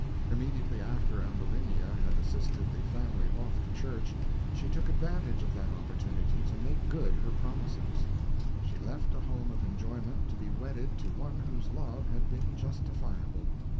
Immediately after Ambulinia had assisted the family off to church, she took advantage of that opportunity to make good her promises. She left a home of enjoyment to be wedded to one whose love had been justifiable.